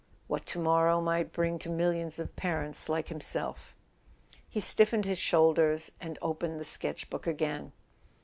what to morrow might bring to millions of parents like himself. He stiffened his shoulders, and opened the sketch¬ book again.